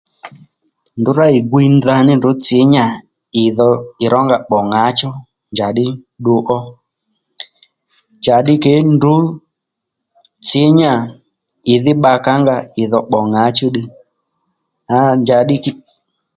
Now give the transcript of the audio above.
Ndrǔ rǎ ì gwiy ndaní ndrǔ tsǐ ní yà ì dho ì rónga bbò ŋǎchú njàddí ddu ó njàddí ke ndrǔj tsǐ ní yà ì dhí bbakà ó nga ìdhó bbò ŋǎchú ddiy aa y`a njàddí k...